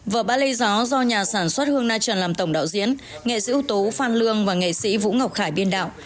vở ba lê gió do nhà sản xuất hương na trần làm tổng đạo diễn nghệ sĩ ưu tố phan lương và nghệ sĩ vũ ngọc khải biên đạo